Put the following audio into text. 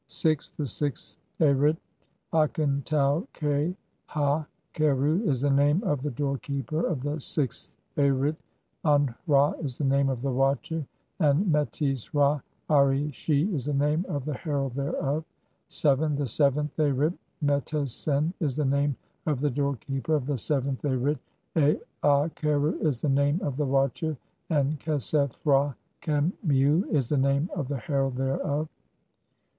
VI. "THE SIXTH ARIT. Aken tau k ha kheru is the name of the "doorkeeper of the sixth Arit, An hra is the name of the watcher, "and Metes hra ari she is the name of the herald thereof." VII. "THE SEVENTH ARIT. Metes sen is the name of the door "keeper of the seventh Arit, Aaa kheru is the name of the watcher, "and Khesef hra khemiu is the name of the herald thereof."